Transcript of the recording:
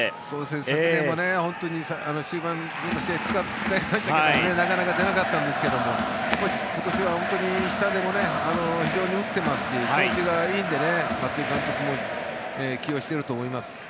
昨年も終盤試合に使ったんですがなかなか出なかったんですが今年は下でも非常に打ってますし調子がいいんで、松井監督も起用していると思います。